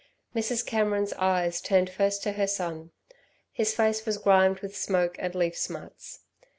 Mrs. Cameron's eyes turned first to her son. His face was grimed with smoke and leaf smuts.